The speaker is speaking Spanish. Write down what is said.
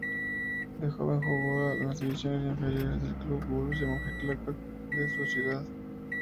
De joven jugó en las divisiones inferiores del club Borussia Mönchengladbach de su ciudad.